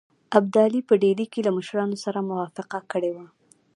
ابدالي په ډهلي کې له مشرانو سره موافقه کړې وه.